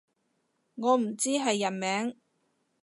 我唔知係人名